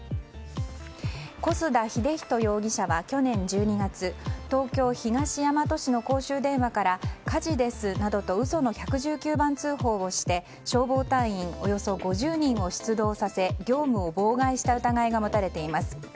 小須田英士容疑者は去年１２月東京・東大和市の公衆電話から火事ですなどと嘘の１１９番通報をして消防隊員およそ５０人を出動させ業務を妨害した疑いが持たれています。